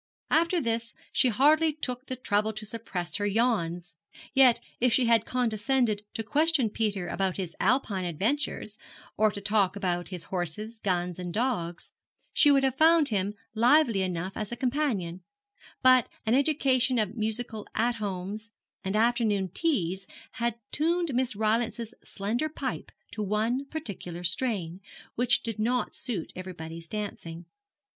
After this she hardly took the trouble to suppress her yawns; yet if she had condescended to question Peter about his Alpine adventures, or to talk about his horses, guns, and dogs, she would have found him lively enough as a companion; but an education of musical 'at homes' and afternoon teas had tuned Miss Rylance's slender pipe to one particular strain, which did not suit everybody's dancing.